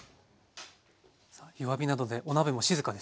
弱火なのでお鍋も静かです。